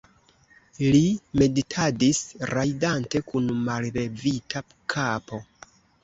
li meditadis, rajdante kun mallevita kapo.